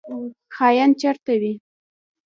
خاین چیرته وي؟